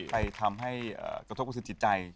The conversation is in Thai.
ใครทำให้กระทบกระทบสินจิตใจ